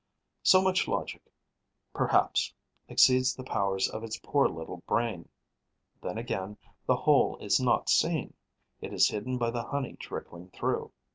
So much logic perhaps exceeds the powers of its poor little brain. Then, again, the hole is not seen; it is hidden by the honey trickling through.